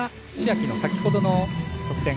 愛の先ほどの得点。